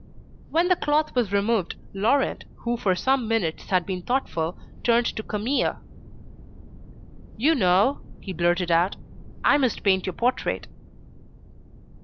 When the cloth was removed Laurent, who for some minutes had been thoughtful, turned to Camille. "You know," he blurted out, "I must paint your portrait."